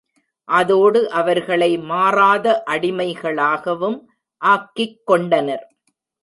அதோடு அவர்களை மாறாத அடிமைகளாகவும் ஆக்கிக்கொண்டனர்.